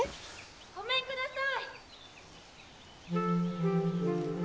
・ごめんください！